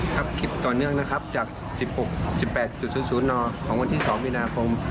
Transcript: คลิปต่อเนื่องนะครับจาก๑๖๑๘๐๐นของวันที่๒มีนาคม